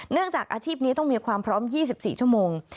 จากอาชีพนี้ต้องมีความพร้อม๒๔ชั่วโมง